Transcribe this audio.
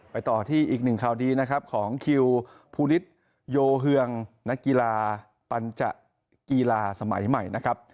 ต่อที่อีกหนึ่งข่าวดีนะครับของคิวภูริสโยเฮืองนักกีฬาปัญจกีฬาสมัยใหม่นะครับ